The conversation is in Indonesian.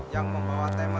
yang membawa tema